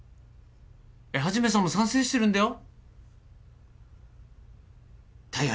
一さんも賛成してるんだよ。